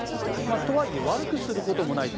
とはいえ悪くすることもないと。